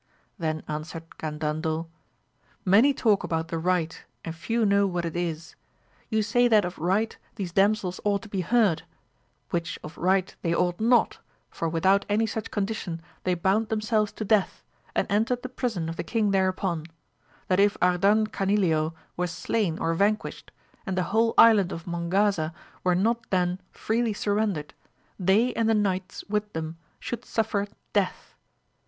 Then answered Gandandel, many talk about the right and few know what it is ; you say that of right these damsels ought to be heard, which of right they ought not, for without any such condition they bound themselves to death, and entered the prison of the king thereupon, that if Ardan Canileo were slain or vanquished, and the whole Island of Mongaza were not then freely surrendered, they and the knights with them should suffer death.